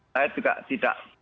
saya juga tidak